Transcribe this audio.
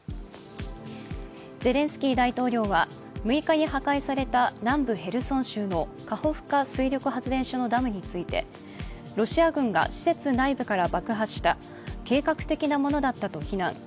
ゼレンスキー大統領は６日に破壊された南部ヘルソン州のカホフカ水力発電所のダムについてロシア軍が施設内部から爆破した計画的なものだったと非難。